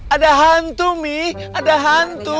ada hantu mih ada hantu